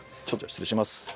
ちょっと失礼します。